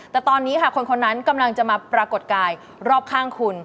แต่ตอนนี้ค่ะคนนั้นกำลังจะมาปรากฏกายรอบข้างคุณ